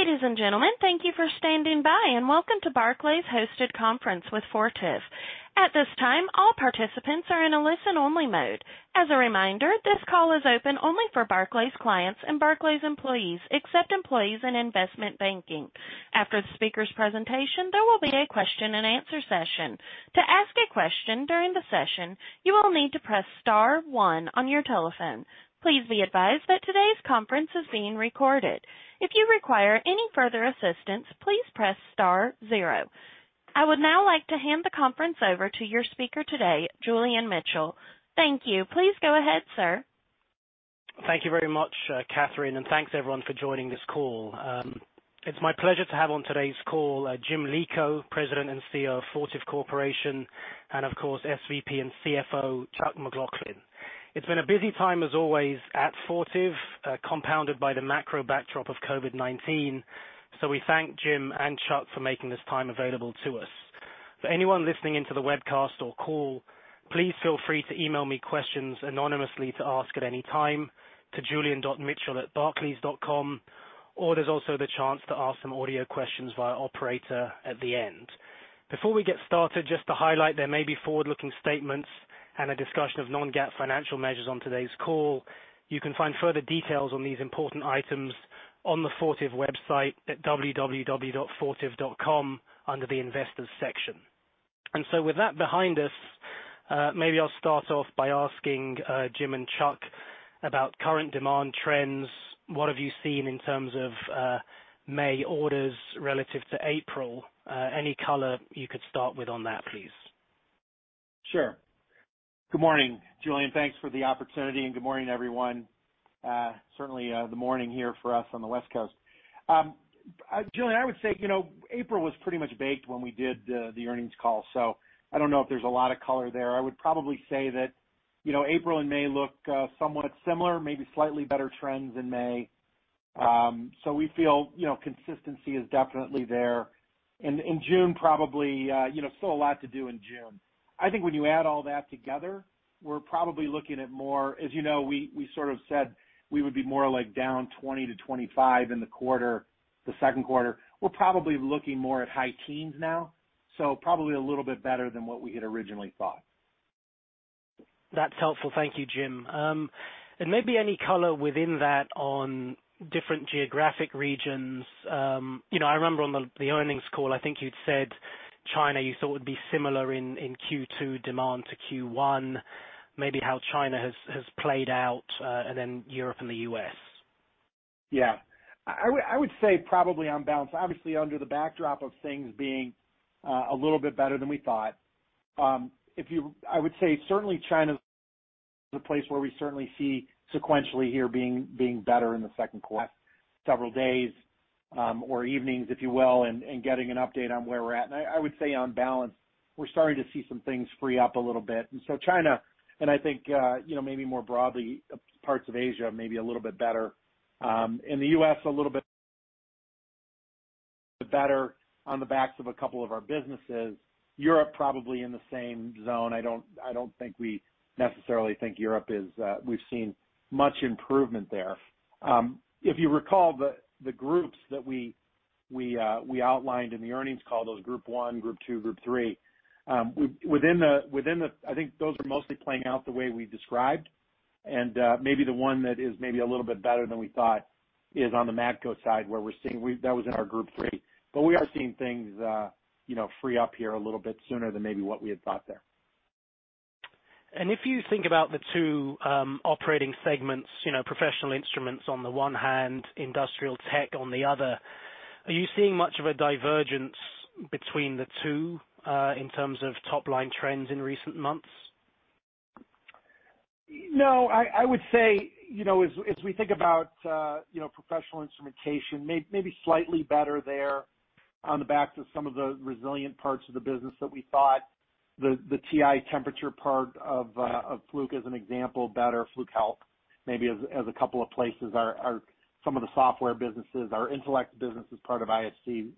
Ladies and gentlemen, thank you for standing by, and welcome to Barclays' hosted conference with Fortive. At this time, all participants are in a listen-only mode. As a reminder, this call is open only for Barclays clients and Barclays employees, except employees in investment banking. After the speaker's presentation, there will be a question-and-answer session. To ask a question during the session, you will need to press star one on your telephone. Please be advised that today's conference is being recorded. If you require any further assistance, please press star zero. I would now like to hand the conference over to your speaker today, Julian Mitchell. Thank you. Please go ahead, sir. Thank you very much, Katherine, and thanks everyone for joining this call. It's my pleasure to have on today's call Jim Lico, President and CEO of Fortive Corporation, and of course, SVP and CFO, Chuck McLaughlin. It's been a busy time, as always, at Fortive, compounded by the macro backdrop of COVID-19, so we thank Jim and Chuck for making this time available to us. For anyone listening into the webcast or call, please feel free to email me questions anonymously to ask at any time to julian.mitchell@barclays.com, or there's also the chance to ask some audio questions via operator at the end. Before we get started, just to highlight, there may be forward-looking statements and a discussion of non-GAAP financial measures on today's call. You can find further details on these important items on the Fortive website at www.fortive.com under the investors section. So with that behind us, maybe I'll start off by asking Jim and Chuck about current demand trends. What have you seen in terms of May orders relative to April? Any color you could start with on that, please. Sure. Good morning, Julian. Thanks for the opportunity, and good morning, everyone. Certainly the morning here for us on the West Coast. Julian, I would say April was pretty much baked when we did the earnings call, so I don't know if there's a lot of color there. I would probably say that April and May look somewhat similar, maybe slightly better trends in May. So we feel consistency is definitely there. And June, probably still a lot to do in June. I think when you add all that together, we're probably looking at more, as you know, we sort of said we would be more like down 20%-25% in the second quarter. We're probably looking more at high teens now, so probably a little bit better than what we had originally thought. That's helpful. Thank you, Jim. And maybe any color within that on different geographic regions? I remember on the earnings call, I think you'd said China you thought would be similar in Q2 demand to Q1, maybe how China has played out, and then Europe and the US. Yeah. I would say probably on balance, obviously under the backdrop of things being a little bit better than we thought. I would say certainly China is a place where we certainly see sequentially here being better in the second. Last several days or evenings, if you will, and getting an update on where we're at. And I would say on balance, we're starting to see some things free up a little bit. And so China, and I think maybe more broadly, parts of Asia maybe a little bit better. In the US, a little bit better on the backs of a couple of our businesses. Europe probably in the same zone. I don't think we necessarily think Europe is. We've seen much improvement there. If you recall the groups that we outlined in the earnings call, those group one, group two, group three within the, I think those are mostly playing out the way we described. And maybe the one that is maybe a little bit better than we thought is on the Matco side, where we're seeing, that was in our group three. But we are seeing things free up here a little bit sooner than maybe what we had thought there. If you think about the two operating segments, Professional Instruments on the one hand, Industrial Tech on the other, are you seeing much of a divergence between the two in terms of top-line trends in recent months? No. I would say as we think about Professional Instrumentation, maybe slightly better there on the back to some of the resilient parts of the business that we thought. The thermal imaging part of Fluke, as an example, better. Fluke Health, maybe as a couple of places, are some of the software businesses. Our Intelex business is part of ISC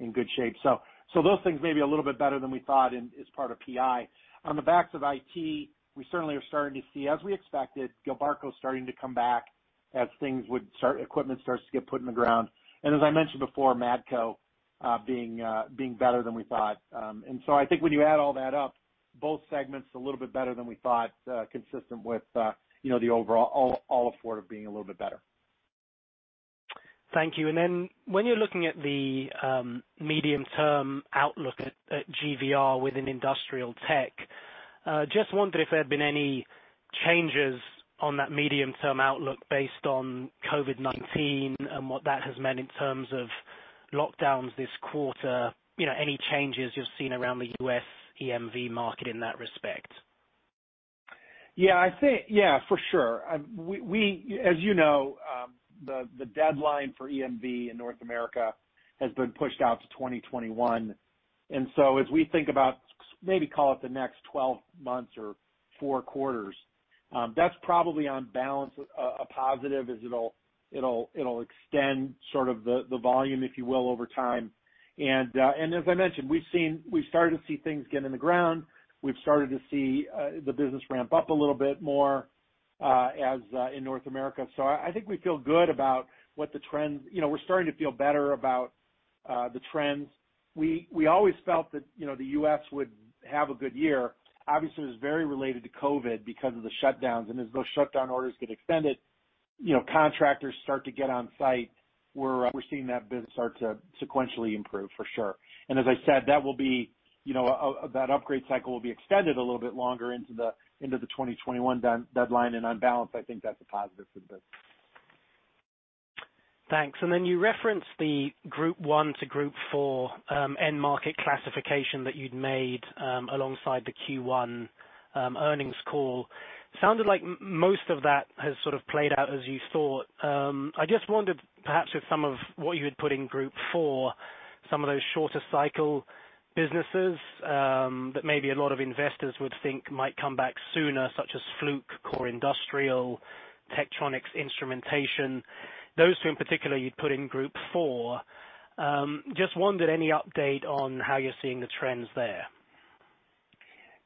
in good shape. So those things may be a little bit better than we thought as part of PI. On the back of IT, we certainly are starting to see, as we expected, Gilbarco starting to come back as equipment starts to get put in the ground. And as I mentioned before, Matco being better than we thought. And so, I think when you add all that up, both segments a little bit better than we thought, consistent with the overall of Fortive being a little bit better. Thank you. And then when you're looking at the medium-term outlook at GVR within Industrial Tech, just wondering if there have been any changes on that medium-term outlook based on COVID-19 and what that has meant in terms of lockdowns this quarter, any changes you've seen around the US EMV market in that respect? Yeah. Yeah, for sure. As you know, the deadline for EMV in North America has been pushed out to 2021. And so as we think about maybe call it the next 12 months or four quarters, that's probably on balance a positive as it'll extend sort of the volume, if you will, over time. And as I mentioned, we've started to see things get in the ground. We've started to see the business ramp up a little bit more as in North America. So I think we feel good about what the trends, we're starting to feel better about the trends. We always felt that the U.S. would have a good year. Obviously, it was very related to COVID because of the shutdowns. And as those shutdown orders get extended, contractors start to get on site. We're seeing that business start to sequentially improve, for sure. And as I said, that upgrade cycle will be extended a little bit longer into the 2021 deadline. And on balance, I think that's a positive for the business. Thanks, and then you referenced the group one to group four end market classification that you'd made alongside the Q1 earnings call. Sounded like most of that has sort of played out as you thought. I just wondered perhaps if some of what you had put in group four, some of those shorter-cycle businesses that maybe a lot of investors would think might come back sooner, such as Fluke, core industrial, Tektronix, instrumentation, those two in particular you'd put in group four. Just wondered any update on how you're seeing the trends there?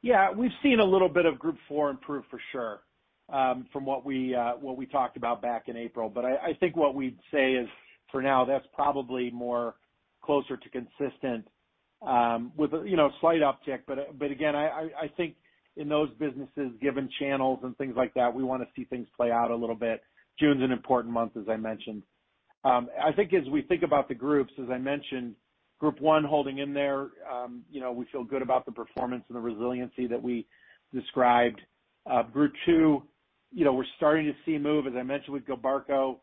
Yeah. We've seen a little bit of group four improve, for sure, from what we talked about back in April. But I think what we'd say is, for now, that's probably more closer to consistent with a slight uptick. But again, I think in those businesses, given channels and things like that, we want to see things play out a little bit. June's an important month, as I mentioned. I think as we think about the groups, as I mentioned, group one holding in there, we feel good about the performance and the resiliency that we described. Group two, we're starting to see move. As I mentioned with Gilbarco,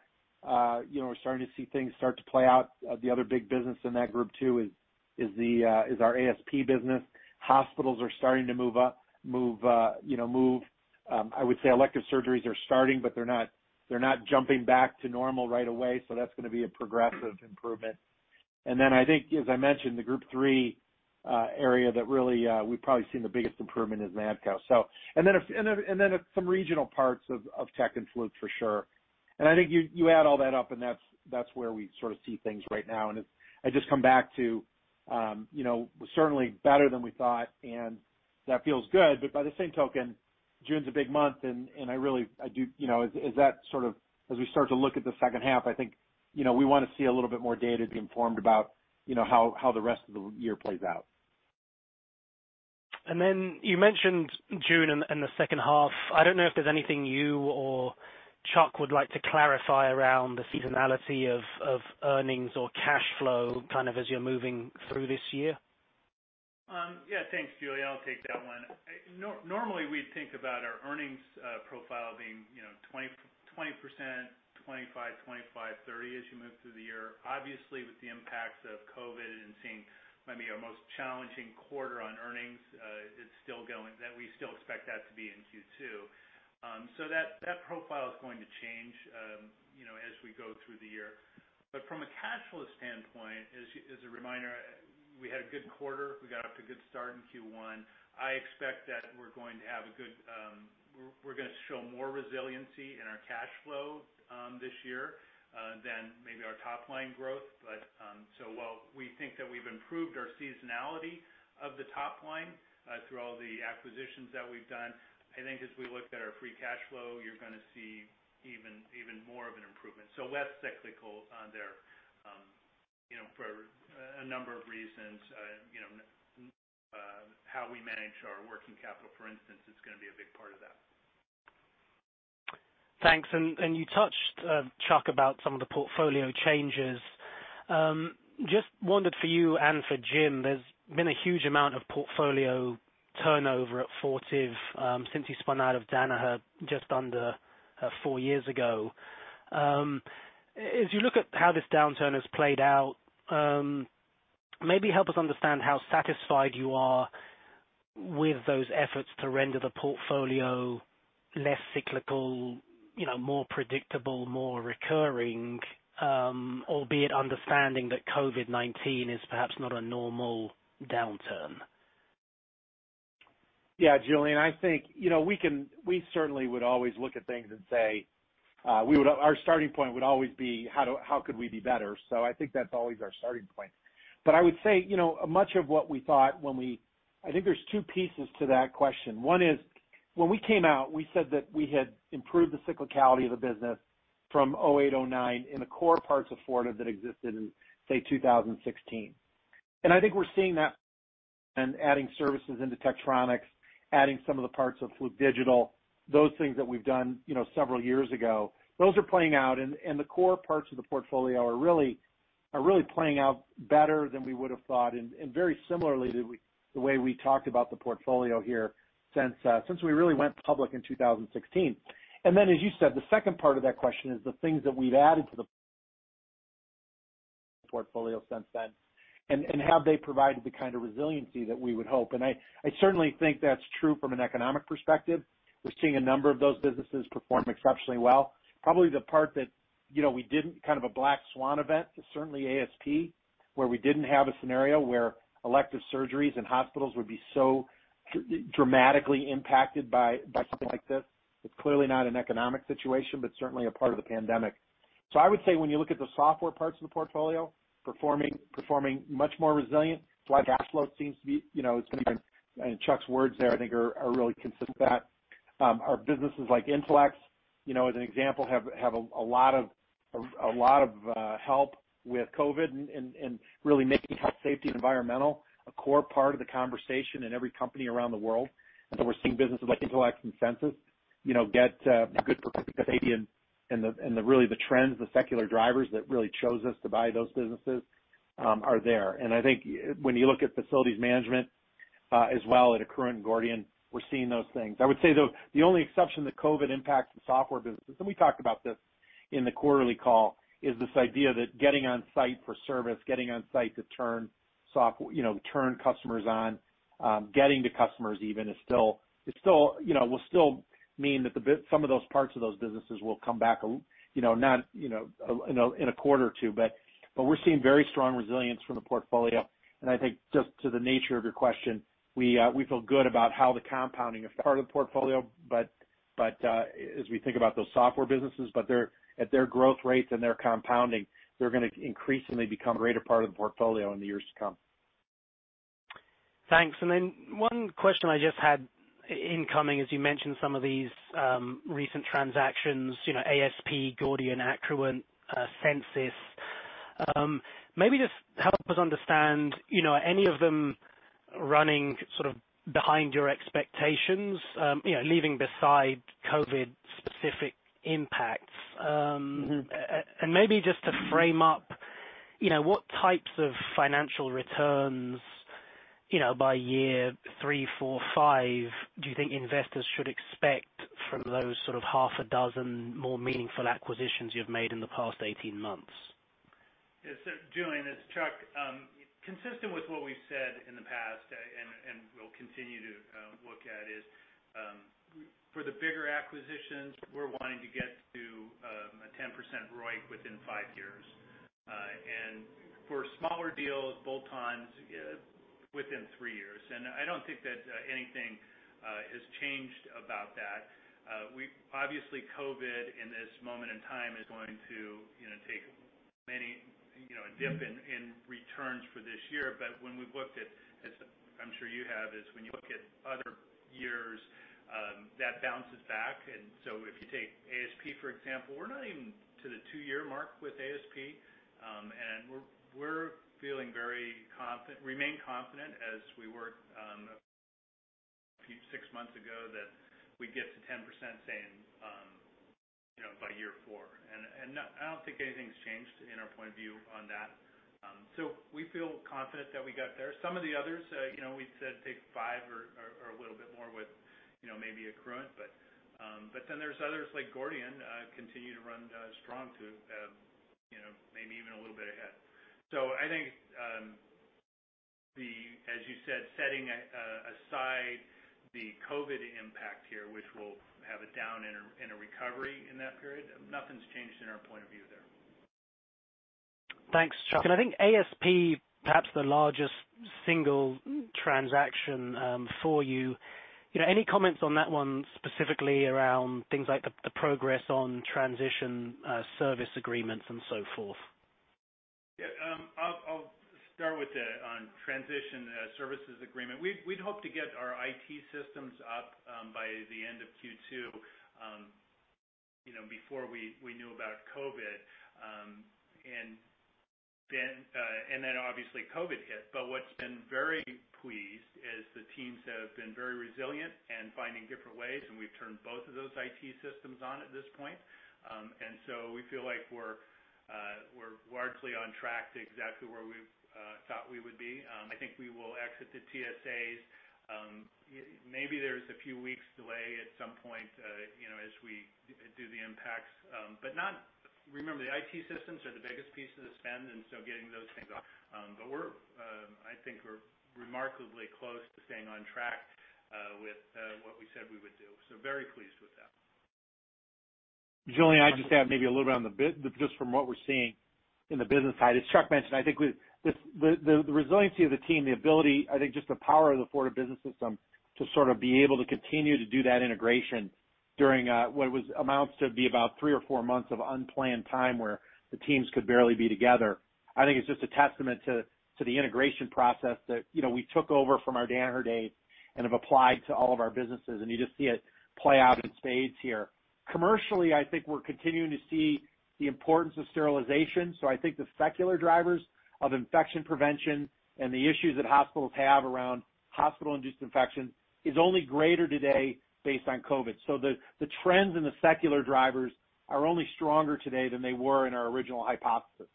we're starting to see things start to play out. The other big business in that group two is our ASP business. Hospitals are starting to move up. I would say elective surgeries are starting, but they're not jumping back to normal right away, so that's going to be a progressive improvement, and then I think, as I mentioned, the group three area that really we've probably seen the biggest improvement is Matco, and then some regional parts of Tek and Fluke, for sure, and I think you add all that up, and that's where we sort of see things right now, and I just come back to certainly better than we thought, and that feels good, but by the same token, June's a big month, and I really do, as that sort of as we start to look at the second half, I think we want to see a little bit more data to be informed about how the rest of the year plays out. Then you mentioned June and the second half. I don't know if there's anything you or Chuck would like to clarify around the seasonality of earnings or cash flow kind of as you're moving through this year? Yeah. Thanks, Julian. I'll take that one. Normally, we'd think about our earnings profile being 20%, 25%, 25%, 30% as you move through the year. Obviously, with the impacts of COVID and seeing maybe our most challenging quarter on earnings, it's still going that we still expect that to be in Q2. So that profile is going to change as we go through the year. But from a cash flow standpoint, as a reminder, we had a good quarter. We got off to a good start in Q1. I expect that we're going to show more resiliency in our cash flow this year than maybe our top-line growth. So while we think that we've improved our seasonality of the top line through all the acquisitions that we've done, I think as we look at our free cash flow, you're going to see even more of an improvement. So less cyclical on there for a number of reasons. How we manage our working capital, for instance, it's going to be a big part of that. Thanks. And you touched, Chuck, about some of the portfolio changes. Just wondered for you and for Jim, there's been a huge amount of portfolio turnover at Fortive since he spun out of Danaher just under four years ago. As you look at how this downturn has played out, maybe help us understand how satisfied you are with those efforts to render the portfolio less cyclical, more predictable, more recurring, albeit understanding that COVID-19 is perhaps not a normal downturn? Yeah, Julian. I think we certainly would always look at things and say our starting point would always be, "How could we be better?" So I think that's always our starting point. But I would say much of what we thought when we—I think there's two pieces to that question. One is when we came out, we said that we had improved the cyclicality of the business from 2008, 2009 in the core parts of Fortive that existed in, say, 2016. And I think we're seeing that and adding services into Tektronix, adding some of the parts of Fluke Digital, those things that we've done several years ago, those are playing out. And the core parts of the portfolio are really playing out better than we would have thought and very similarly to the way we talked about the portfolio here since we really went public in 2016. And then, as you said, the second part of that question is the things that we've added to the portfolio since then and have they provided the kind of resiliency that we would hope? And I certainly think that's true from an economic perspective. We're seeing a number of those businesses perform exceptionally well. Probably the part that we didn't, kind of a black swan event is certainly ASP, where we didn't have a scenario where elective surgeries and hospitals would be so dramatically impacted by something like this. It's clearly not an economic situation, but certainly a part of the pandemic. So I would say when you look at the software parts of the portfolio, performing much more resilient. It's why cash flow seems to be, it's going to be, and Chuck's words there, I think, are really consistent with that. Our businesses like Intelex, as an example, have a lot of help with COVID and really making health, safety, and environmental a core part of the conversation in every company around the world. So we're seeing businesses like Intelex and Censis get good uptake because they, and really the trends, the secular drivers that really caused us to buy those businesses are there. And I think when you look at facilities management as well at Accruent and Gordian, we're seeing those things. I would say the only exception that COVID impacted the software business, and we talked about this in the quarterly call, is this idea that getting on site for service, getting on site to turn customers on, getting to customers even is still, it will still mean that some of those parts of those businesses will come back not in a quarter or two. But we're seeing very strong resilience from the portfolio. And I think just to the nature of your question, we feel good about how the compounding of part of the portfolio. But as we think about those software businesses, at their growth rates and their compounding, they're going to increasingly become a greater part of the portfolio in the years to come. Thanks. And then one question I just had incoming, as you mentioned some of these recent transactions: ASP, Gordian, Accruent, Censis. Maybe just help us understand any of them running sort of behind your expectations, leaving beside COVID-specific impacts. And maybe just to frame up what types of financial returns by year three, four, five do you think investors should expect from those sort of half a dozen more meaningful acquisitions you've made in the past 18 months? Yeah. So Julian, as Chuck, consistent with what we've said in the past and will continue to look at, is for the bigger acquisitions, we're wanting to get to a 10% ROIC within five years. And for smaller deals, bolt-ons, within three years. And I don't think that anything has changed about that. Obviously, COVID in this moment in time is going to take many a dip in returns for this year. But when we've looked at, I'm sure you have, is when you look at other years, that bounces back. And so if you take ASP, for example, we're not even to the two-year mark with ASP. And we're feeling very confident, remain confident, as we were six months ago that we'd get to 10%, say, by year four. And I don't think anything's changed in our point of view on that. So we feel confident that we got there. Some of the others, we'd said take five or a little bit more with maybe Accruent. But then there's others like Gordian continue to run strong too, maybe even a little bit ahead. So I think, as you said, setting aside the COVID impact here, which will have a down in a recovery in that period, nothing's changed in our point of view there. Thanks, Chuck. And I think ASP, perhaps the largest single transaction for you. Any comments on that one specifically around things like the progress on transition service agreements and so forth? Yeah. I'll start with the transition services agreement. We'd hope to get our IT systems up by the end of Q2 before we knew about COVID. And then obviously, COVID hit. But what's been very pleased is the teams have been very resilient and finding different ways. We've turned both of those IT systems on at this point. So we feel like we're largely on track to exactly where we thought we would be. I think we will exit the TSAs. Maybe there's a few weeks' delay at some point as we do the impacts. Remember, the IT systems are the biggest piece of the spend, and so getting those things off. I think we're remarkably close to staying on track with what we said we would do. Very pleased with that. Julian, I just add maybe a little bit on, just from what we're seeing in the business side. As Chuck mentioned, I think the resiliency of the team, the ability, I think just the power of the Fortive Business System to sort of be able to continue to do that integration during what was amounts to be about three or four months of unplanned time where the teams could barely be together. I think it's just a testament to the integration process that we took over from our Danaher days and have applied to all of our businesses. You just see it play out in spades here. Commercially, I think we're continuing to see the importance of sterilization. So I think the secular drivers of infection prevention and the issues that hospitals have around hospital-induced infections is only greater today based on COVID. So the trends in the secular drivers are only stronger today than they were in our original hypothesis.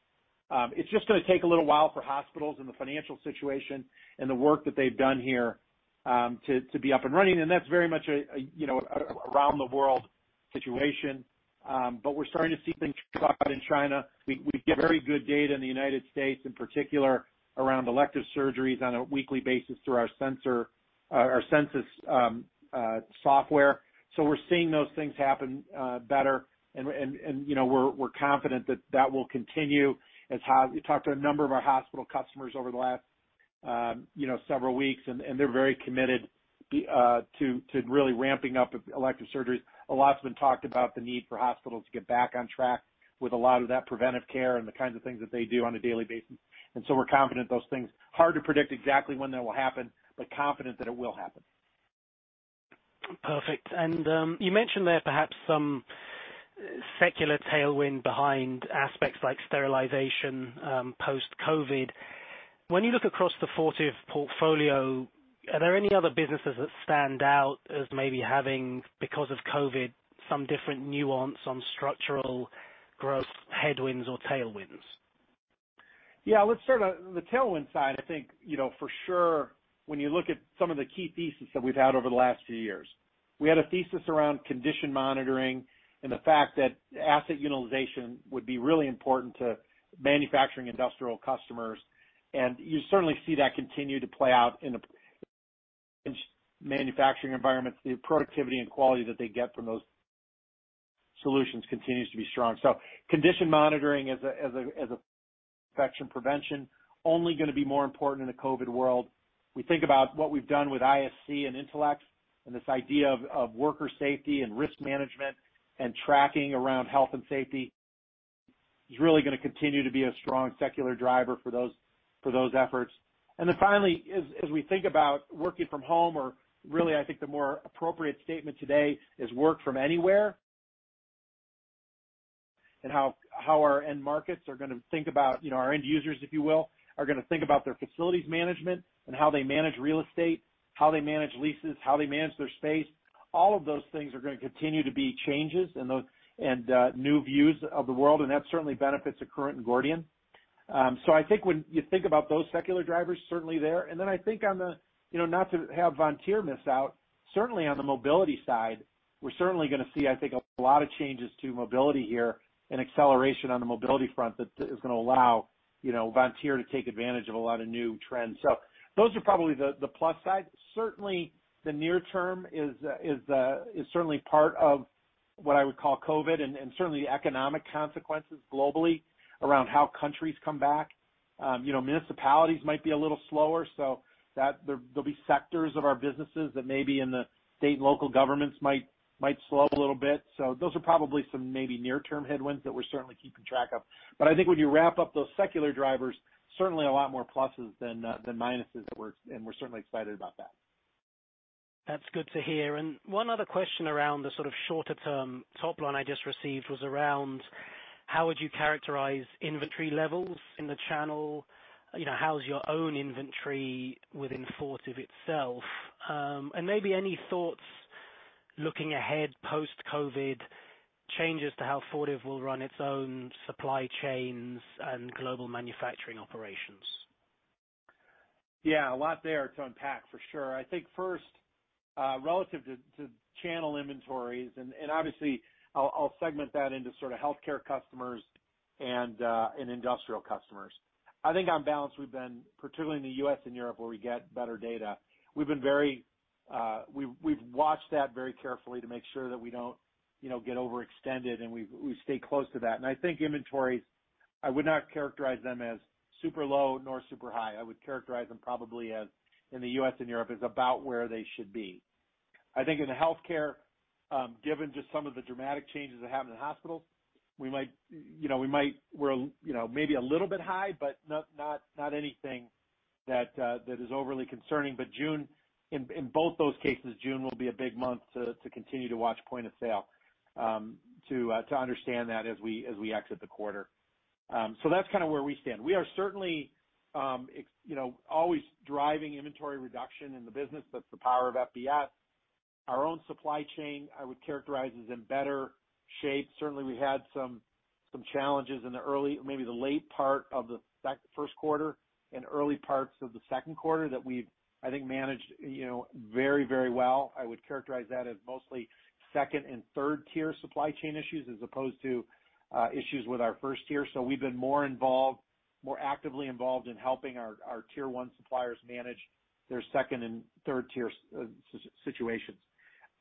It's just going to take a little while for hospitals and the financial situation and the work that they've done here to be up and running. And that's very much an around-the-world situation. But we're starting to see things drop out in China. We get very good data in the United States, in particular, around elective surgeries on a weekly basis through our Censis software. So we're seeing those things happen better. And we're confident that that will continue. We talked to a number of our hospital customers over the last several weeks, and they're very committed to really ramping up elective surgeries. A lot's been talked about the need for hospitals to get back on track with a lot of that preventive care and the kinds of things that they do on a daily basis. And so we're confident those things, hard to predict exactly when that will happen, but confident that it will happen. Perfect, and you mentioned there, perhaps some secular tailwind behind aspects like sterilization post-COVID. When you look across the Fortive portfolio, are there any other businesses that stand out as maybe having, because of COVID, some different nuance on structural growth headwinds or tailwinds? Yeah. Let's start on the tailwind side. I think for sure, when you look at some of the key theses that we've had over the last few years, we had a thesis around condition monitoring and the fact that asset utilization would be really important to manufacturing industrial customers. And you certainly see that continue to play out in the manufacturing environments. The productivity and quality that they get from those solutions continues to be strong. So condition monitoring as an infection prevention is only going to be more important in the COVID world. We think about what we've done with ISC and Intelex and this idea of worker safety and risk management and tracking around health and safety is really going to continue to be a strong secular driver for those efforts. And then finally, as we think about working from home, or really, I think the more appropriate statement today is work from anywhere and how our end markets are going to think about our end users, if you will, are going to think about their facilities management and how they manage real estate, how they manage leases, how they manage their space. All of those things are going to continue to be changes and new views of the world. And that certainly benefits Accruent and Gordian. So I think when you think about those secular drivers, certainly there. And then I think on the (not to have Vontier miss out) certainly on the mobility side, we're certainly going to see, I think, a lot of changes to mobility here and acceleration on the mobility front that is going to allow Vontier to take advantage of a lot of new trends. So those are probably the plus side. Certainly, the near term is certainly part of what I would call COVID and certainly the economic consequences globally around how countries come back. Municipalities might be a little slower. So there'll be sectors of our businesses that maybe in the state and local governments might slow a little bit. So those are probably some maybe near-term headwinds that we're certainly keeping track of. But I think when you wrap up those secular drivers, certainly a lot more pluses than minuses, and we're certainly excited about that. That's good to hear, and one other question around the sort of shorter-term top line I just received was around how would you characterize inventory levels in the channel? How's your own inventory within Fortive itself, and maybe any thoughts looking ahead post-COVID changes to how Fortive will run its own supply chains and global manufacturing operations? Yeah. A lot there to unpack for sure. I think first, relative to channel inventories, and obviously, I'll segment that into sort of healthcare customers and industrial customers. I think on balance, we've been particularly in the U.S. and Europe where we get better data. We've watched that very carefully to make sure that we don't get overextended, and we stay close to that, and I think inventories, I would not characterize them as super low nor super high. I would characterize them probably as, in the U.S. and Europe, as about where they should be. I think in the healthcare, given just some of the dramatic changes that happened in hospitals, we're maybe a little bit high, but not anything that is overly concerning. But June, in both those cases, June will be a big month to continue to watch point of sale to understand that as we exit the quarter. So that's kind of where we stand. We are certainly always driving inventory reduction in the business. That's the power of FBS. Our own supply chain, I would characterize as in better shape. Certainly, we had some challenges in the early, maybe the late part of the first quarter and early parts of the second quarter that we've, I think, managed very, very well. I would characterize that as mostly second and third-tier supply chain issues as opposed to issues with our first tier. So we've been more involved, more actively involved in helping our tier one suppliers manage their second and third-tier situations.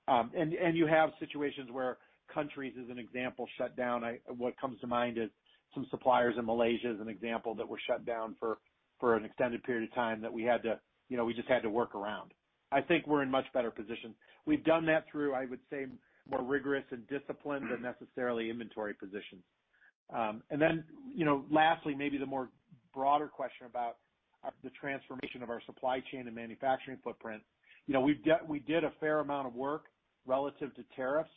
And you have situations where countries, as an example, shut down. What comes to mind is some suppliers in Malaysia, as an example, that were shut down for an extended period of time that we had to work around. I think we're in a much better position. We've done that through, I would say, more rigorous and disciplined inventory positions. Then lastly, maybe the broader question about the transformation of our supply chain and manufacturing footprint. We did a fair amount of work relative to tariffs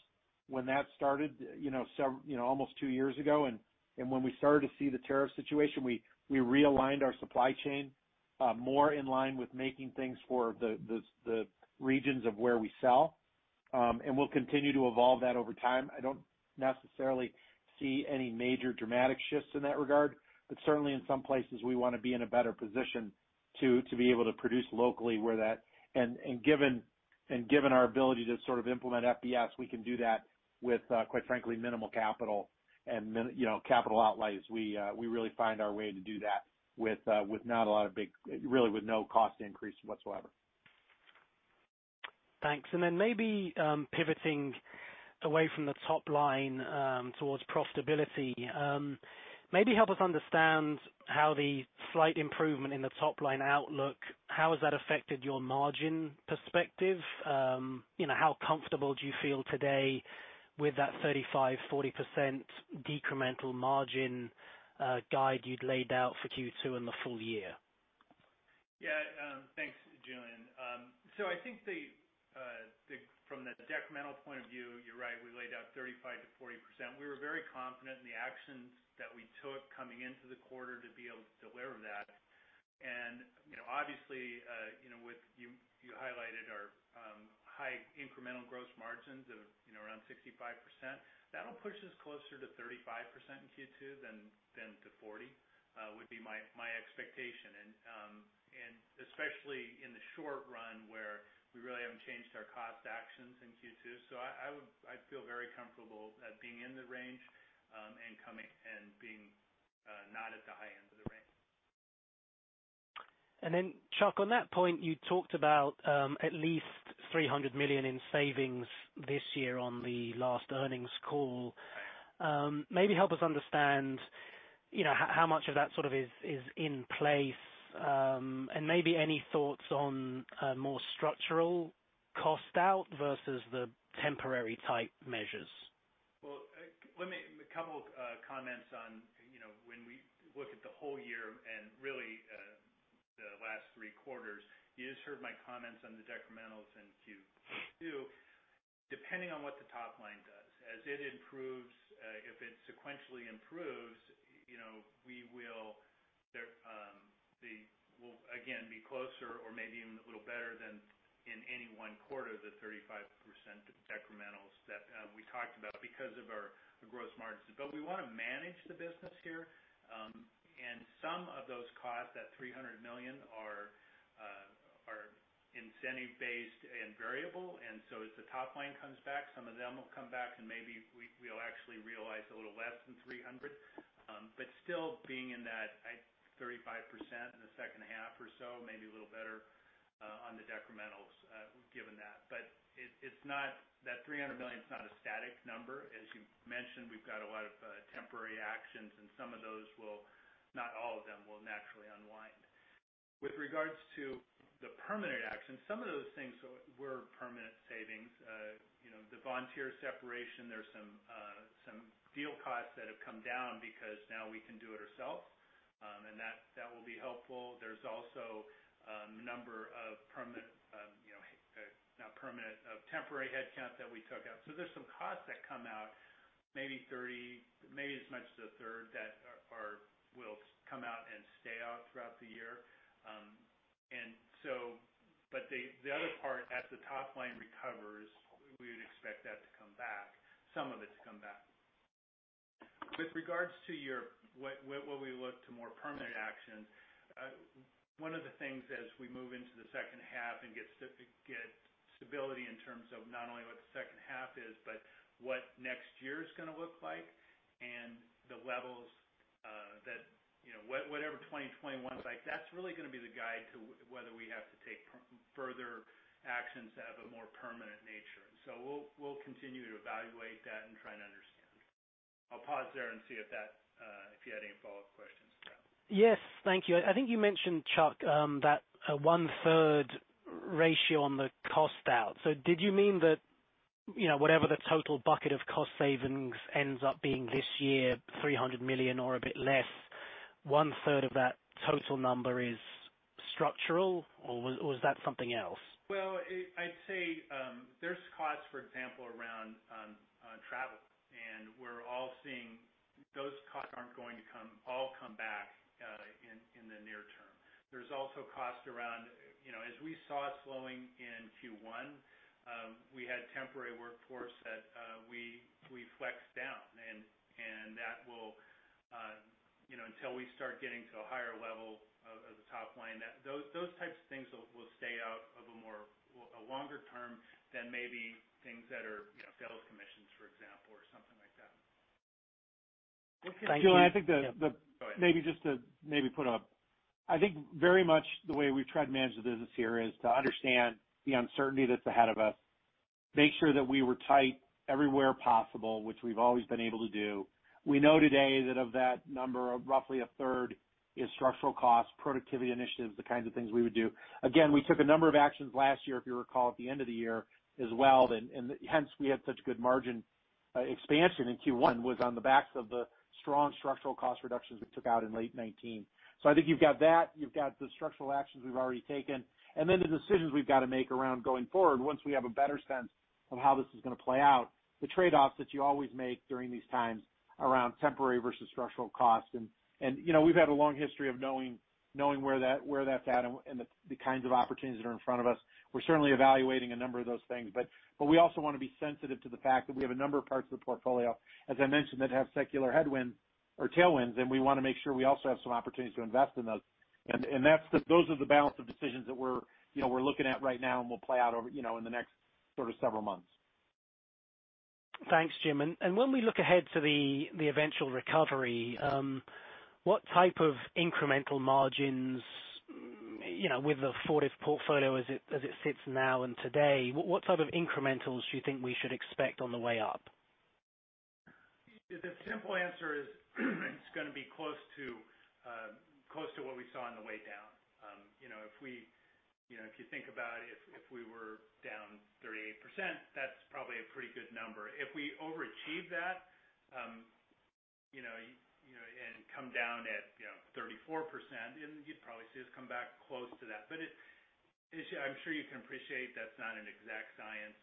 when that started almost two years ago. When we started to see the tariff situation, we realigned our supply chain more in line with making things for the regions where we sell. We'll continue to evolve that over time. I don't necessarily see any major dramatic shifts in that regard. But certainly, in some places, we want to be in a better position to be able to produce locally where that, and given our ability to sort of implement FBS, we can do that with, quite frankly, minimal capital and capital outlays. We really find our way to do that with not a lot of big, really with no cost increase whatsoever. Thanks. And then maybe pivoting away from the top line towards profitability, maybe help us understand how the slight improvement in the top line outlook, how has that affected your margin perspective? How comfortable do you feel today with that 35%-40% decremental margin guide you'd laid out for Q2 in the full year? Yeah. Thanks, Julian. So I think from the decremental point of view, you're right. We laid out 35%-40%. We were very confident in the actions that we took coming into the quarter to be able to deliver that. And obviously, with you highlighted our high incremental gross margins of around 65%, that'll push us closer to 35% in Q2 than to 40% would be my expectation. And especially in the short run where we really haven't changed our cost actions in Q2. So I feel very comfortable being in the range and being not at the high end of the range. And then, Chuck, on that point, you talked about at least $300 million in savings this year on the last earnings call. Maybe help us understand how much of that sort of is in place and maybe any thoughts on more structural cost out versus the temporary type measures. Let me. A couple of comments on when we look at the whole year and really the last three quarters. You just heard my comments on the decrementals in Q2. Depending on what the top line does, as it improves, if it sequentially improves, we will again be closer or maybe even a little better than in any one quarter, the 35% decrementals that we talked about because of our gross margins, but we want to manage the business here. And some of those costs, that $300 million, are incentive-based and variable. And so if the top line comes back, some of them will come back, and maybe we'll actually realize a little less than $300 million. But still being in that 35% in the second half or so, maybe a little better on the decrementals given that. But that $300 million, it's not a static number. As you mentioned, we've got a lot of temporary actions, and some of those will, not all of them, will naturally unwind. With regards to the permanent actions, some of those things were permanent savings. The Vontier separation, there's some deal costs that have come down because now we can do it ourselves, and that will be helpful. There's also a number of permanent, not permanent, of temporary headcount that we took out. So there's some costs that come out, maybe 30, maybe as much as a third, that will come out and stay out throughout the year. And so, but the other part, as the top line recovers, we would expect that to come back, some of it to come back. With regards to what we look to more permanent actions, one of the things as we move into the second half and get stability in terms of not only what the second half is, but what next year is going to look like and the levels that whatever 2021 is like, that's really going to be the guide to whether we have to take further actions that have a more permanent nature. So we'll continue to evaluate that and try and understand. I'll pause there and see if you had any follow-up questions for that. Yes. Thank you. I think you mentioned, Chuck, that one-third ratio on the cost out. So did you mean that whatever the total bucket of cost savings ends up being this year, $300 million or a bit less, one-third of that total number is structural, or was that something else? I'd say there's costs, for example, around travel. We're all seeing those costs aren't going to all come back in the near term. There's also costs around, as we saw slowing in Q1, we had temporary workforce that we flexed down. That will, until we start getting to a higher level of the top line, those types of things will stay out for a longer term than maybe things that are sales commissions, for example, or something like that. Thank you. Julian, I think the... Go ahead. Maybe just to put up, I think very much the way we've tried to manage the business here is to understand the uncertainty that's ahead of us, make sure that we were tight everywhere possible, which we've always been able to do. We know today that of that number, roughly a third is structural costs, productivity initiatives, the kinds of things we would do. Again, we took a number of actions last year, if you recall, at the end of the year as well, and hence we had such good margin expansion in Q1 was on the backs of the strong structural cost reductions we took out in late 2019, so I think you've got that. You've got the structural actions we've already taken. And then the decisions we've got to make around going forward, once we have a better sense of how this is going to play out, the trade-offs that you always make during these times around temporary versus structural costs. And we've had a long history of knowing where that's at and the kinds of opportunities that are in front of us. We're certainly evaluating a number of those things. But we also want to be sensitive to the fact that we have a number of parts of the portfolio, as I mentioned, that have secular headwinds or tailwinds. And we want to make sure we also have some opportunities to invest in those. And those are the balance of decisions that we're looking at right now, and we'll play out over in the next sort of several months. Thanks, Jim. And when we look ahead to the eventual recovery, what type of incremental margins with the Fortive portfolio as it sits now and today, what type of incrementals do you think we should expect on the way up? The simple answer is it's going to be close to what we saw on the way down. If you think about it, if we were down 38%, that's probably a pretty good number. If we overachieve that and come down at 34%, then you'd probably see us come back close to that. But I'm sure you can appreciate that's not an exact science,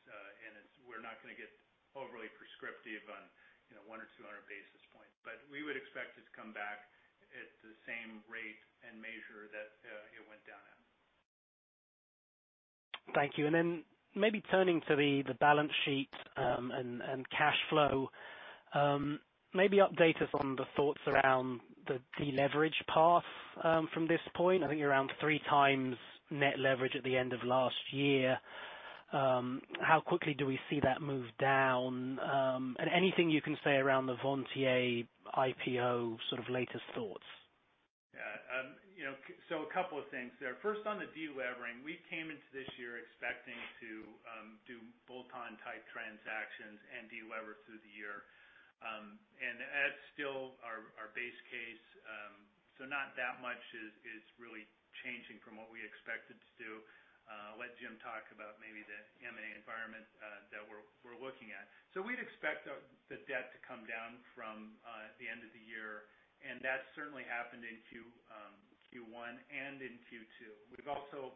and we're not going to get overly prescriptive on one or two hundred basis points. But we would expect it to come back at the same rate and measure that it went down at. Thank you. And then maybe turning to the balance sheet and cash flow, maybe update us on the thoughts around the deleverage path from this point. I think you're around three times net leverage at the end of last year. How quickly do we see that move down? And anything you can say around the Vontier IPO sort of latest thoughts? Yeah. So a couple of things there. First, on the delevering, we came into this year expecting to do bolt-on type transactions and delever through the year. And that's still our base case. So not that much is really changing from what we expected to do. Let Jim talk about maybe the M&A environment that we're looking at. So we'd expect the debt to come down from the end of the year. And that's certainly happened in Q1 and in Q2. We've also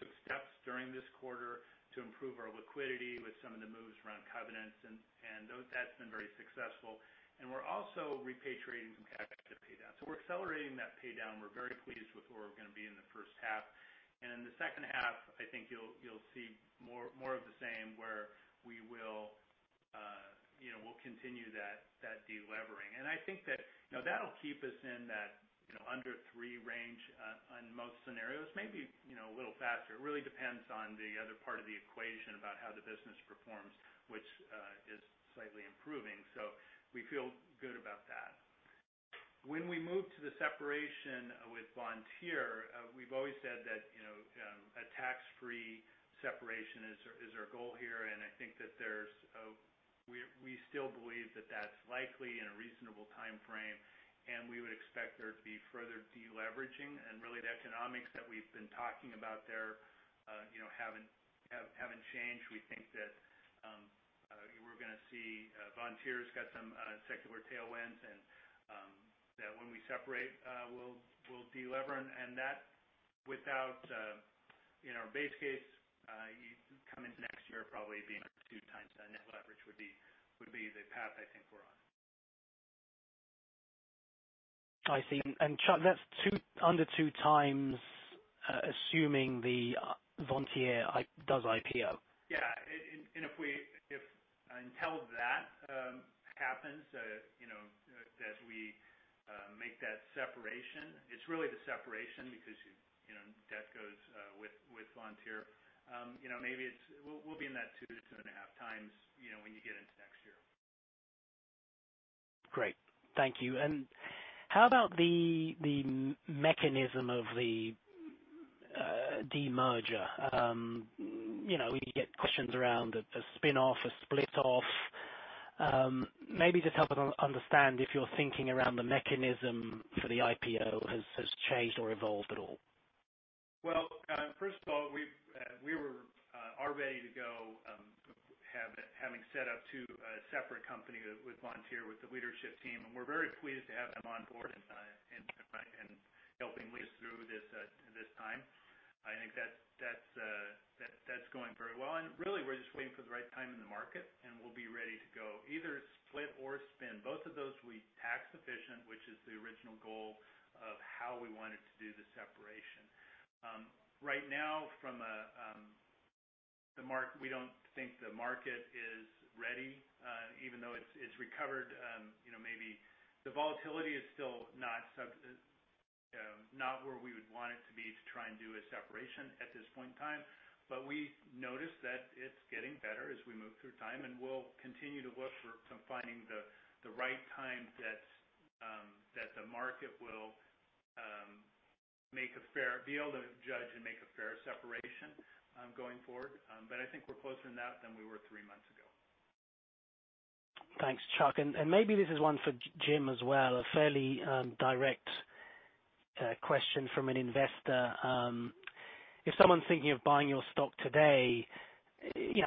taken steps during this quarter to improve our liquidity with some of the moves around covenants. And that's been very successful. And we're also repatriating some cash to pay down. So we're accelerating that pay down. We're very pleased with where we're going to be in the first half. And in the second half, I think you'll see more of the same where we will continue that delevering. And I think that that'll keep us in that under three range on most scenarios, maybe a little faster. It really depends on the other part of the equation about how the business performs, which is slightly improving. So we feel good about that. When we moved to the separation with Vontier, we've always said that a tax-free separation is our goal here. And I think that we still believe that that's likely in a reasonable time frame. And we would expect there to be further deleveraging. And really, the economics that we've been talking about there haven't changed. We think that we're going to see Vontier's got some secular tailwinds and that when we separate, we'll delever. That, without in our base case, coming to next year, probably being two times that net leverage would be the path I think we're on. I see. And Chuck, that's under two times assuming the Vontier does IPO. Yeah, and until that happens, as we make that separation, it's really the separation because debt goes with Vontier. Maybe we'll be in that two to two and a half times when you get into next year. Great. Thank you. And how about the mechanism of the demerger? We get questions around a spin-off, a split-off. Maybe just help us understand if you're thinking around the mechanism for the IPO has changed or evolved at all. First of all, we were already to go having set up two separate companies with Vontier with the leadership team. We're very pleased to have them on board and helping lead us through this time. I think that's going very well. Really, we're just waiting for the right time in the market, and we'll be ready to go either split or spin. Both of those are tax efficient, which is the original goal of how we wanted to do the separation. Right now, from the mark, we don't think the market is ready, even though it's recovered. Maybe the volatility is still not where we would want it to be to try and do a separation at this point in time. We notice that it's getting better as we move through time. We'll continue to look for finding the right time that the market will be able to judge and make a fair separation going forward. I think we're closer to that than we were three months ago. Thanks, Chuck. And maybe this is one for Jim as well, a fairly direct question from an investor. If someone's thinking of buying your stock today,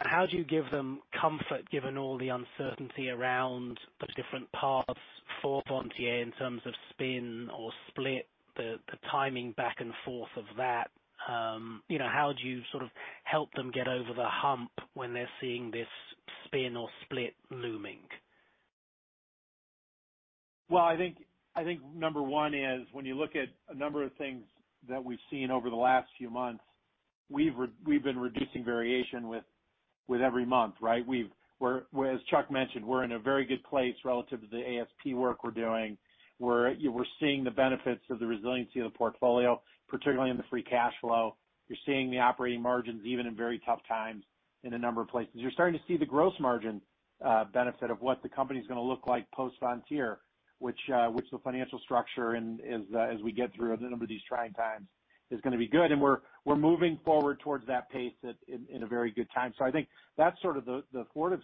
how do you give them comfort given all the uncertainty around the different paths for Vontier in terms of spin or split, the timing back and forth of that? How do you sort of help them get over the hump when they're seeing this spin or split looming? I think number one is when you look at a number of things that we've seen over the last few months, we've been reducing variation with every month, right? As Chuck mentioned, we're in a very good place relative to the ASP work we're doing. We're seeing the benefits of the resiliency of the portfolio, particularly in the free cash flow. You're seeing the operating margins even in very tough times in a number of places. You're starting to see the gross margin benefit of what the company's going to look like post-Vontier, which the financial structure as we get through a number of these trying times is going to be good. We're moving forward towards that pace in a very good time. I think that's sort of the Fortive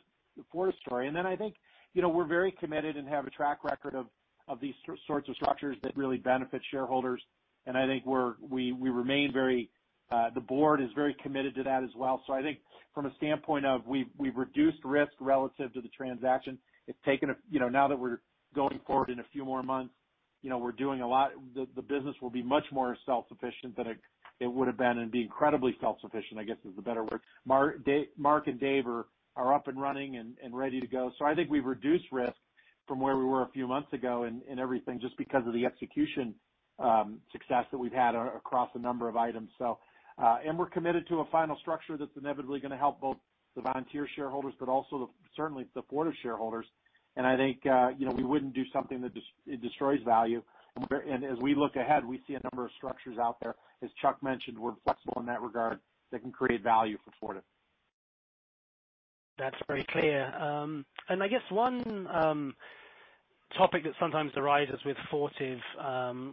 story. And then I think we're very committed and have a track record of these sorts of structures that really benefit shareholders. And I think we remain very committed, the board is very committed to that as well. So I think from a standpoint of we've reduced risk relative to the transaction. It's taken a lot. Now that we're going forward in a few more months, we're doing a lot. The business will be much more self-sufficient than it would have been and be incredibly self-sufficient, I guess is the better word. Mark and Dave are up and running and ready to go. So I think we've reduced risk from where we were a few months ago in everything just because of the execution success that we've had across a number of items. And we're committed to a final structure that's inevitably going to help both the Vontier shareholders, but also certainly the Fortive shareholders. And I think we wouldn't do something that destroys value. And as we look ahead, we see a number of structures out there. As Chuck mentioned, we're flexible in that regard that can create value for Fortive. That's very clear. And I guess one topic that sometimes arises with Fortive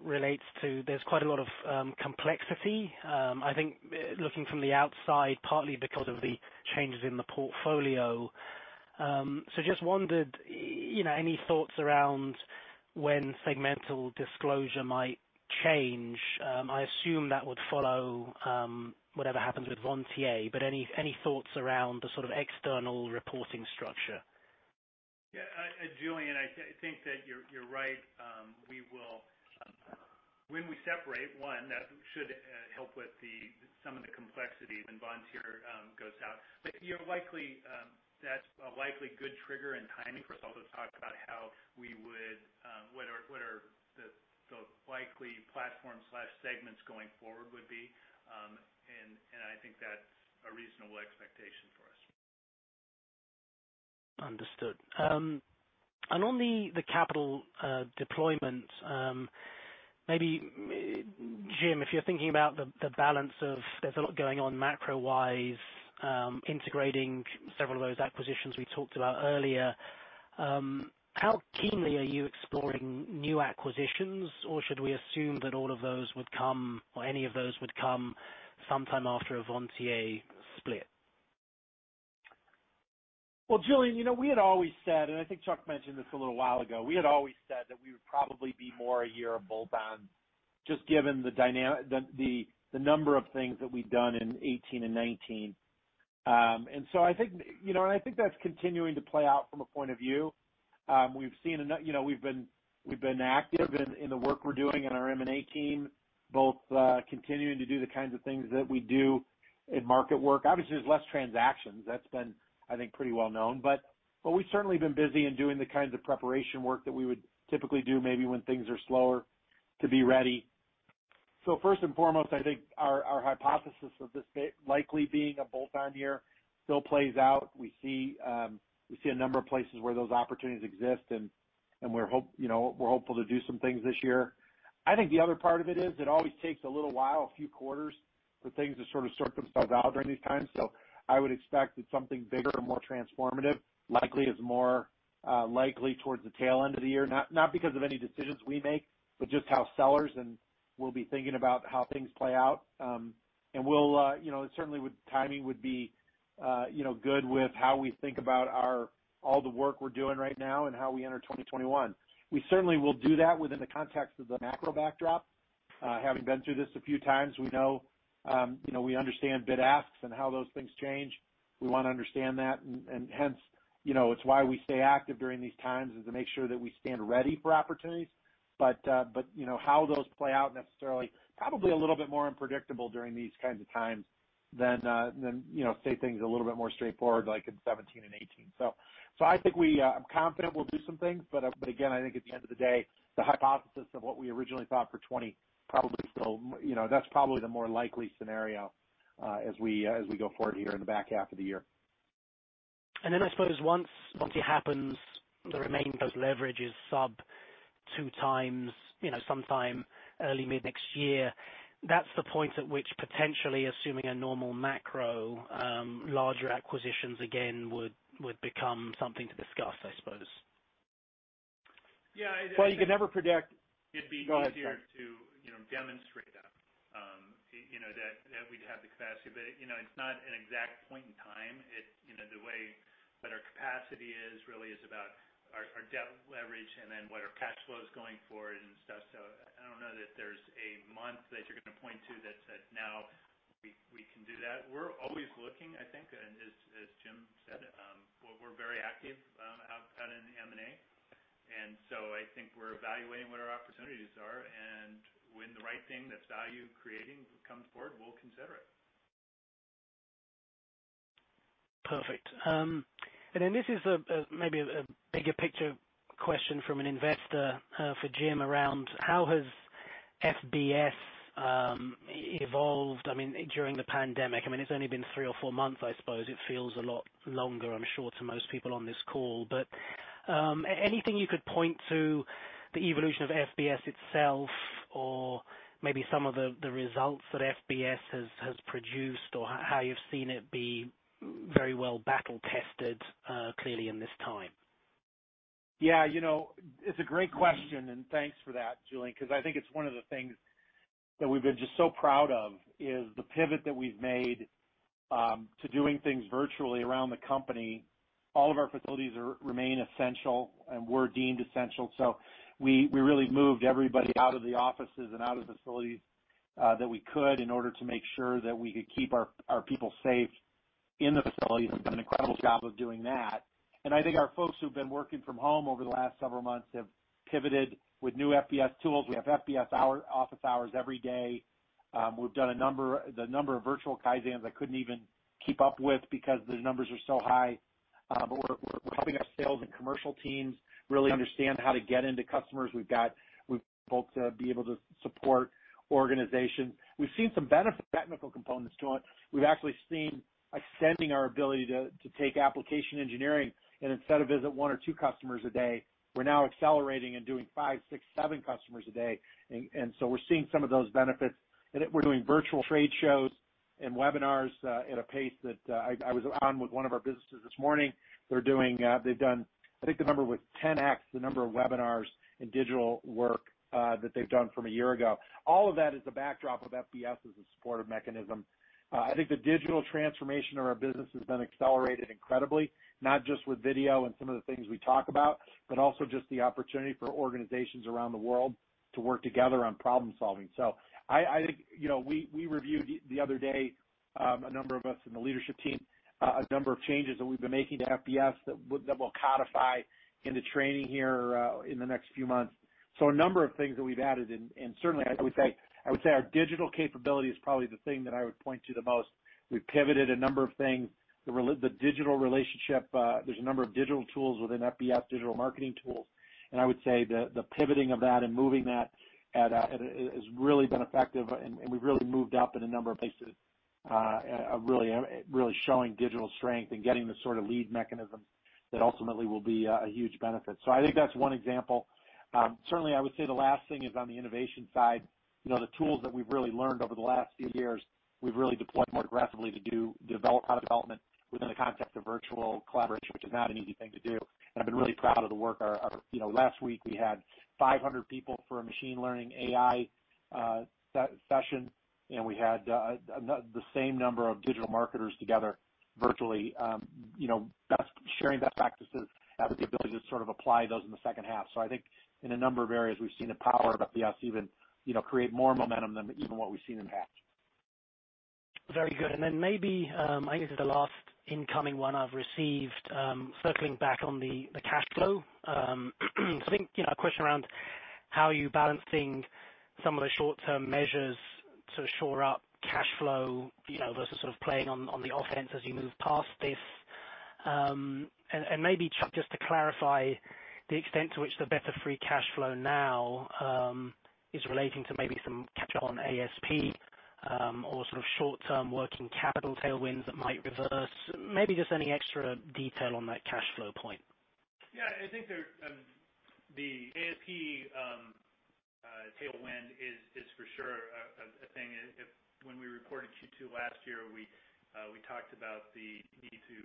relates to there's quite a lot of complexity, I think, looking from the outside, partly because of the changes in the portfolio. So just wondered, any thoughts around when segmental disclosure might change? I assume that would follow whatever happens with Vontier. But any thoughts around the sort of external reporting structure? Yeah. Julian, I think that you're right. When we separate, one, that should help with some of the complexity when Vontier goes out. But that's a likely good trigger and timing for us also to talk about how we would what are the likely platform/segments going forward would be. And I think that's a reasonable expectation for us. Understood. And on the capital deployment, maybe, Jim, if you're thinking about the balance of there's a lot going on macro-wise, integrating several of those acquisitions we talked about earlier, how keenly are you exploring new acquisitions, or should we assume that all of those would come, or any of those would come sometime after a Vontier split? Julian, we had always said, and I think Chuck mentioned this a little while ago, we had always said that we would probably be more a year of bolt-on, just given the number of things that we've done in 2018 and 2019. I think and I think that's continuing to play out from a point of view. We've seen enough. We've been active in the work we're doing on our M&A team, both continuing to do the kinds of things that we do in market work. Obviously, there's less transactions. That's been, I think, pretty well known. But we've certainly been busy in doing the kinds of preparation work that we would typically do maybe when things are slower to be ready. First and foremost, I think our hypothesis of this likely being a bolt-on year still plays out. We see a number of places where those opportunities exist, and we're hopeful to do some things this year. I think the other part of it is it always takes a little while, a few quarters, for things to sort of sort themselves out during these times, so I would expect that something bigger and more transformative likely is more likely towards the tail end of the year, not because of any decisions we make, but just how sellers and we'll be thinking about how things play out, and certainly, timing would be good with how we think about all the work we're doing right now and how we enter 2021. We certainly will do that within the context of the macro backdrop. Having been through this a few times, we know we understand bid asks and how those things change. We want to understand that. And hence, it's why we stay active during these times is to make sure that we stand ready for opportunities. But how those play out necessarily, probably a little bit more unpredictable during these kinds of times than say things a little bit more straightforward like in 2017 and 2018. So I think I'm confident we'll do some things. But again, I think at the end of the day, the hypothesis of what we originally thought for 2020, probably still that's probably the more likely scenario as we go forward here in the back half of the year. And then I suppose once it happens, the remainder of leverage is sub two times sometime early mid next year. That's the point at which potentially, assuming a normal macro, larger acquisitions again would become something to discuss, I suppose. Yeah. You could never predict. It'd be easier to demonstrate that, that we'd have the capacity. But it's not an exact point in time. The way that our capacity is really is about our debt leverage and then what our cash flow is going forward and stuff. So I don't know that there's a month that you're going to point to that said, "Now, we can do that." We're always looking, I think. And as Jim said, we're very active out in the M&A. And so I think we're evaluating what our opportunities are. And when the right thing that's value creating comes forward, we'll consider it. Perfect. And then this is maybe a bigger picture question from an investor for Jim around how has FBS evolved during the pandemic? I mean, it's only been three or four months, I suppose. It feels a lot longer, I'm sure, to most people on this call. But anything you could point to, the evolution of FBS itself, or maybe some of the results that FBS has produced, or how you've seen it be very well battle-tested clearly in this time? Yeah. It's a great question, and thanks for that, Julian, because I think it's one of the things that we've been just so proud of is the pivot that we've made to doing things virtually around the company. All of our facilities remain essential, and we're deemed essential. So we really moved everybody out of the offices and out of facilities that we could in order to make sure that we could keep our people safe in the facilities. We've done an incredible job of doing that, and I think our folks who've been working from home over the last several months have pivoted with new FBS tools. We have FBS office hours every day. We've done the number of virtual Kaizens I couldn't even keep up with because the numbers are so high. But we're helping our sales and commercial teams really understand how to get into customers. We've built to be able to support organizations. We've seen some benefit technical components to it. We've actually seen extending our ability to take application engineering, and instead of visit one or two customers a day, we're now accelerating and doing five, six, seven customers a day, and so we're seeing some of those benefits. We're doing virtual trade shows and webinars at a pace that I was on with one of our businesses this morning. They've done, I think the number was 10X the number of webinars and digital work that they've done from a year ago. All of that is the backdrop of FBS as a supportive mechanism. I think the digital transformation of our business has been accelerated incredibly, not just with video and some of the things we talk about, but also just the opportunity for organizations around the world to work together on problem-solving. So I think we reviewed the other day, a number of us in the leadership team, a number of changes that we've been making to FBS that will codify into training here in the next few months. So a number of things that we've added. And certainly, I would say our digital capability is probably the thing that I would point to the most. We've pivoted a number of things. The digital relationship, there's a number of digital tools within FBS, digital marketing tools. And I would say the pivoting of that and moving that has really been effective. And we've really moved up in a number of places, really showing digital strength and getting the sort of lead mechanisms that ultimately will be a huge benefit. So I think that's one example. Certainly, I would say the last thing is on the innovation side. The tools that we've really learned over the last few years, we've really deployed more aggressively to develop our development within the context of virtual collaboration, which is not an easy thing to do, and I've been really proud of the work. Last week, we had 500 people for a machine learning AI session, and we had the same number of digital marketers together virtually, sharing best practices, having the ability to sort of apply those in the second half, so I think in a number of areas, we've seen the power of FBS even create more momentum than even what we've seen in the past. Very good. And then maybe I guess the last incoming one I've received, circling back on the cash flow. So I think a question around how you balance things, some of the short-term measures to shore up cash flow versus sort of playing on the offense as you move past this. And maybe just to clarify the extent to which the better free cash flow now is relating to maybe some catch-up on ASP or sort of short-term working capital tailwinds that might reverse. Maybe just any extra detail on that cash flow point. Yeah. I think the ASP tailwind is for sure a thing. When we reported Q2 last year, we talked about the need to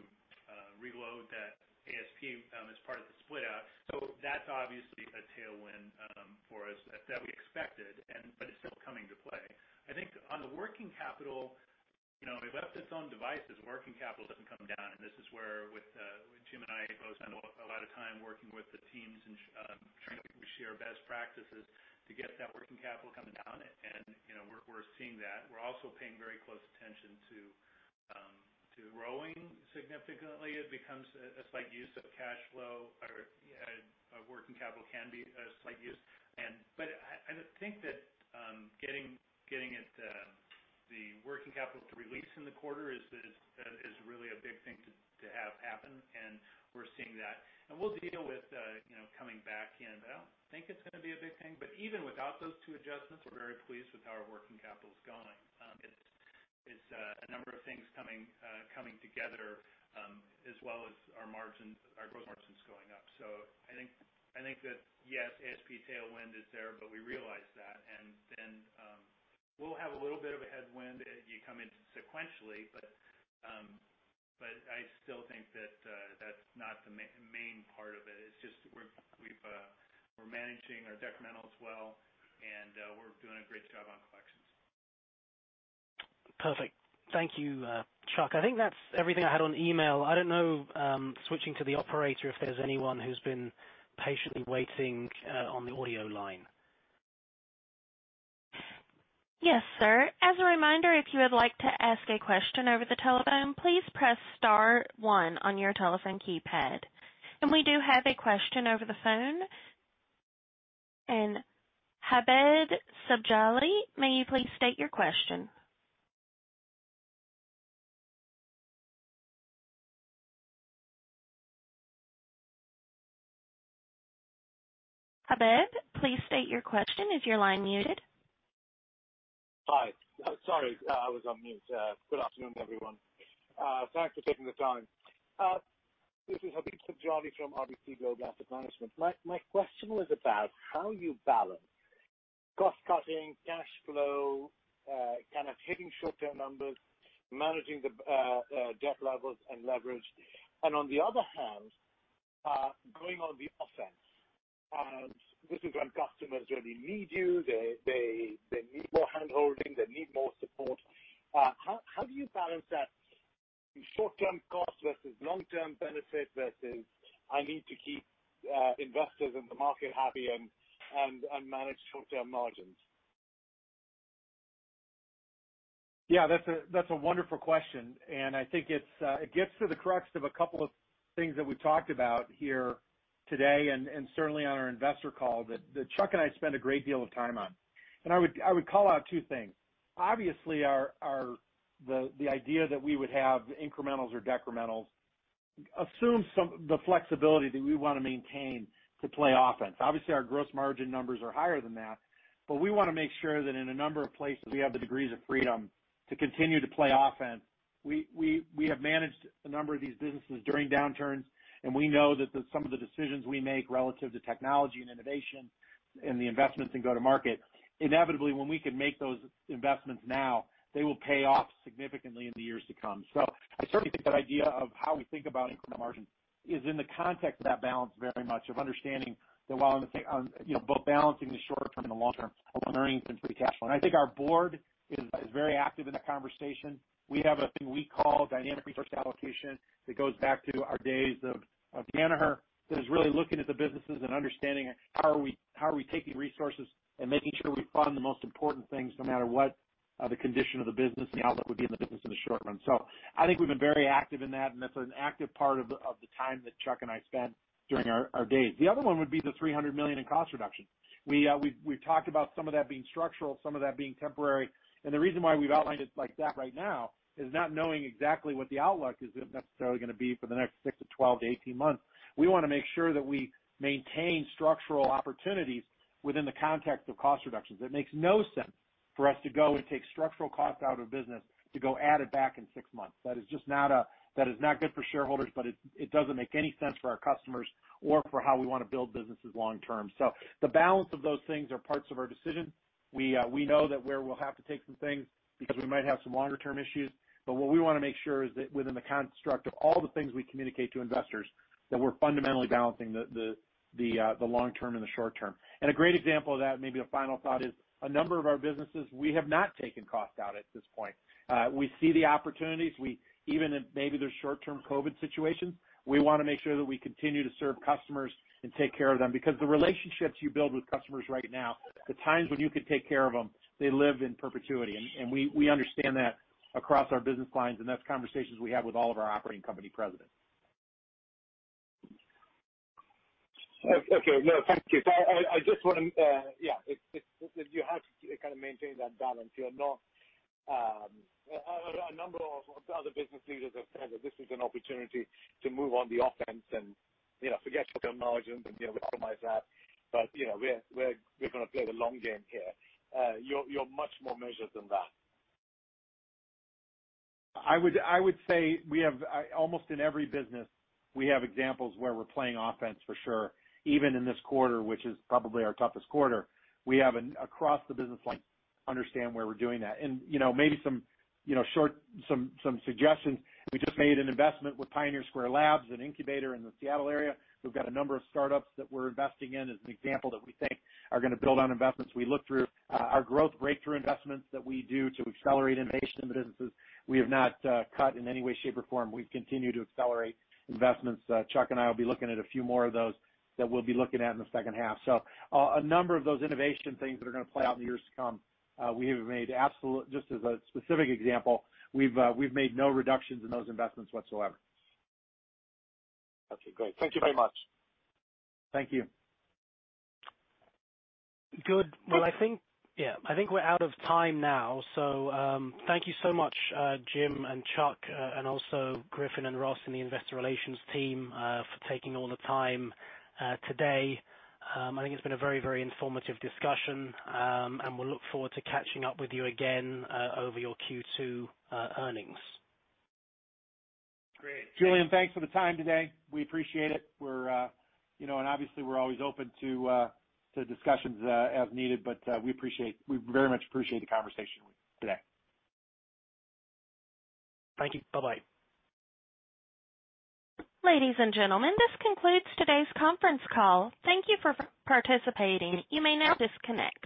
reload that ASP as part of the split out. So that's obviously a tailwind for us that we expected, but it's still coming to play. I think on the working capital, left to its own devices, working capital doesn't come down. And this is where Jim and I both spend a lot of time working with the teams and trying to share best practices to get that working capital coming down. And we're seeing that. We're also paying very close attention to growing significantly. It becomes a slight use of cash flow. Working capital can be a slight use. But I think that getting the working capital to release in the quarter is really a big thing to have happen. And we're seeing that. We'll deal with coming back in. But I don't think it's going to be a big thing. But even without those two adjustments, we're very pleased with how our working capital is going. It's a number of things coming together as well as our gross margins going up. So I think that, yes, ASP tailwind is there, but we realize that. And then we'll have a little bit of a headwind that you come into sequentially. But I still think that that's not the main part of it. It's just we're managing our decrementals well. And we're doing a great job on collections. Perfect. Thank you, Chuck. I think that's everything I had on email. I don't know, switching to the operator, if there's anyone who's been patiently waiting on the audio line? Yes, sir. As a reminder, if you would like to ask a question over the telephone, please press star one on your telephone keypad. And we do have a question over the phone. And Habib Subjally, may you please state your question? Habib, please state your question. Is your line muted? Hi. Sorry, I was on mute. Good afternoon, everyone. Thanks for taking the time. This is Habib Subjally from RBC Global Asset Management. My question was about how you balance cost-cutting, cash flow, kind of hitting short-term numbers, managing the debt levels and leverage. And on the other hand, going on the offense. And this is when customers really need you. They need more handholding. They need more support. How do you balance that short-term cost versus long-term benefit versus I need to keep investors in the market happy and manage short-term margins? Yeah, that's a wonderful question. And I think it gets to the crux of a couple of things that we talked about here today and certainly on our investor call that Chuck and I spent a great deal of time on. And I would call out two things. Obviously, the idea that we would have incrementals or decrementals assumes the flexibility that we want to maintain to play offense. Obviously, our gross margin numbers are higher than that. But we want to make sure that in a number of places, we have the degrees of freedom to continue to play offense. We have managed a number of these businesses during downturns. And we know that some of the decisions we make relative to technology and innovation and the investments in go-to-market, inevitably, when we can make those investments now, they will pay off significantly in the years to come. So I certainly think that idea of how we think about incremental margins is in the context of that balance very much of understanding that while I'm both balancing the short-term and the long-term of earnings and free cash flow. And I think our board is very active in the conversation. We have a thing we call Dynamic Resource allocation that goes back to our days of Danaher that is really looking at the businesses and understanding how are we taking resources and making sure we fund the most important things no matter what the condition of the business, the outlook would be in the business in the short run. So I think we've been very active in that. And that's an active part of the time that Chuck and I spend during our days. The other one would be the $300 million in cost reduction. We've talked about some of that being structural, some of that being temporary, and the reason why we've outlined it like that right now is not knowing exactly what the outlook is necessarily going to be for the next 6 to 12 to 18 months. We want to make sure that we maintain structural opportunities within the context of cost reductions. It makes no sense for us to go and take structural cost out of a business to go add it back in six months. That is just not good for shareholders, but it doesn't make any sense for our customers or for how we want to build businesses long-term. So the balance of those things are parts of our decision. We know that where we'll have to take some things because we might have some longer-term issues. But what we want to make sure is that within the construct of all the things we communicate to investors, that we're fundamentally balancing the long-term and the short-term. And a great example of that, maybe a final thought, is a number of our businesses, we have not taken cost out at this point. We see the opportunities. Even if maybe there's short-term COVID situations, we want to make sure that we continue to serve customers and take care of them. Because the relationships you build with customers right now, the times when you could take care of them, they live in perpetuity. And we understand that across our business lines. And that's conversations we have with all of our operating company presidents. Okay. No, thank you. I just want to, yeah, you have to kind of maintain that balance. A number of other business leaders have said that this is an opportunity to move on the offense and forget short-term margins and compromise that. But we're going to play the long game here. You're much more measured than that. I would say we have almost in every business, we have examples where we're playing offense for sure. Even in this quarter, which is probably our toughest quarter, we have across the business lines understand where we're doing that, and maybe some suggestions. We just made an investment with Pioneer Square Labs, an incubator in the Seattle area. We've got a number of startups that we're investing in as an example that we think are going to build on investments. We look through our growth breakthrough investments that we do to accelerate innovation in the businesses. We have not cut in any way, shape, or form. We've continued to accelerate investments. Chuck and I will be looking at a few more of those that we'll be looking at in the second half. So, a number of those innovation things that are going to play out in the years to come, we have made absolute. Just as a specific example, we've made no reductions in those investments whatsoever. Okay. Great. Thank you very much. Thank you. Good. Well, I think, yeah, I think we're out of time now. So thank you so much, Jim and Chuck, and also Griffin and Ross in the investor relations team for taking all the time today. I think it's been a very, very informative discussion. And we'll look forward to catching up with you again over your Q2 earnings. Great. Julian, thanks for the time today. We appreciate it, and obviously, we're always open to discussions as needed, but we appreciate, we very much appreciate the conversation today. Thank you. Bye-bye. Ladies and gentlemen, this concludes today's conference call. Thank you for participating. You may now disconnect.